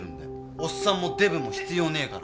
おっさんもデブも必要ねえから。